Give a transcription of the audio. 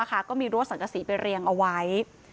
ก็มีรั้วสังกษีไปเรียงเอาไว้